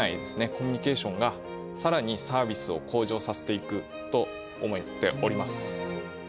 コミュニケーションがさらにサービスを向上させていくと思っております。